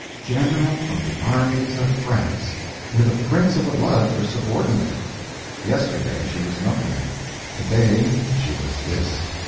General of the Armies of France, with a prince of the blood for subordinate! Yesterday she was nothing—to day she was this.